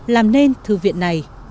làm nên thư viện